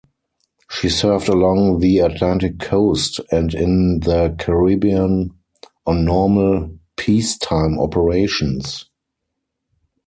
She served along the Atlantic coast and in the Caribbean on normal peacetime operations.